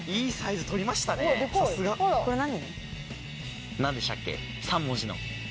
これ何？